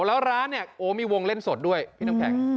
แล้วร้านเนี่ยโอ้มีวงเล่นสดด้วยพี่น้ำแข็ง